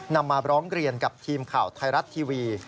มาร้องเรียนกับทีมข่าวไทยรัฐทีวี